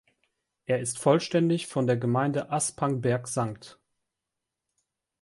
Er ist vollständig von der Gemeinde Aspangberg-St.